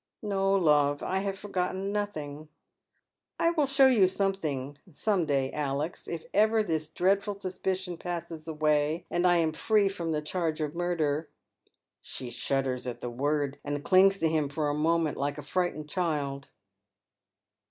" No, love, I have forgotten nothing." " I will show you something some day, Alex, if ever this dreadful Buspicion passes away, and I am fi ee from the charge of murder." She shudders at the word, and clings to him for a moment like a frightened child.